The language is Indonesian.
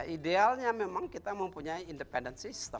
idealnya memang kita mempunyai sistem independen